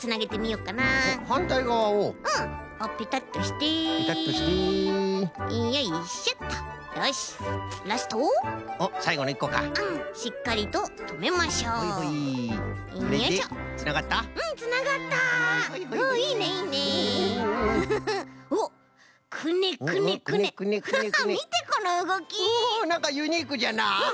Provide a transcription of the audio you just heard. おおなんかユニークじゃなあ。